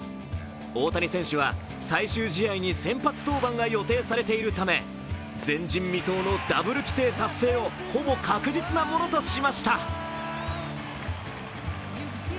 大谷選手は、最終試合に先発登板が予定されているため前人未到のダブル規定達成をほぼ確実なものとしました。